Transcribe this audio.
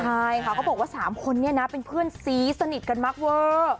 ใช่ค่ะเขาบอกว่า๓คนนี้นะเป็นเพื่อนซีสนิทกันมากเวอร์